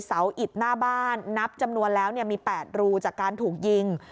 อิดหน้าบ้านนับจำนวนแล้วมี๘รูจากการถูกยิง